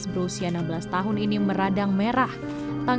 pengguna saya perlu meminta perbaikan